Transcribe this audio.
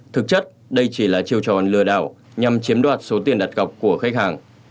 thực chất đây chỉ là chiêu trò lừa đảo nhằm chiếm đoạt số tiền đặt cọc của khách hàng